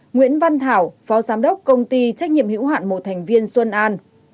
nguyễn văn thảo phó giám đốc công ty trách nhiệm hữu hạn một thành viên xuân an